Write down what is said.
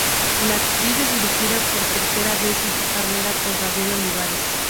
La actriz es dirigida, por tercera vez en su carrera, por Gabriel Olivares.